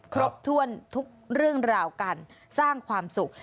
ครบถ้วนทุกเรื่องราวการสร้างความสุข